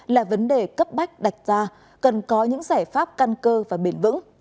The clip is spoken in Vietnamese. là vấn đề cấp bách đạch ra cần có những giải pháp căn cơ và bền vững